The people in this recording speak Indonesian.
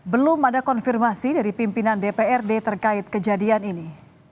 belum ada konfirmasi dari pimpinan dprd terkait kejadian ini